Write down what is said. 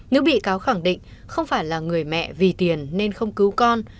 nữ bị cáo khẳng định không phải là người mẹ vì tiền nên không cứu con